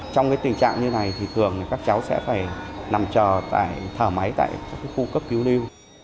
trong tình trạng như này thì thường các cháu sẽ phải nằm chờ thở máy tại khu cấp cứu lưu